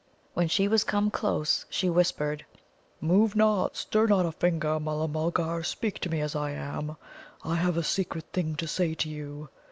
When she was come close, she whispered: "Move not; stir not a finger, Mulla mulgar; speak to me as I am. I have a secret thing to say to you.